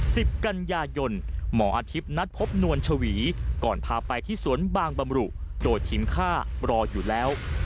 สิบกันยายนหมออาทิตย์นัดพบนวลชวีก่อนพาไปที่สวนบางบำรุโดยทีมฆ่ารออยู่แล้ว